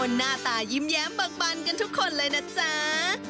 หน้าตายิ้มแย้มเบิกบันกันทุกคนเลยนะจ๊ะ